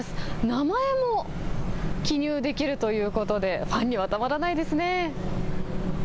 名前も記入できるということでファンにはたまらないですね。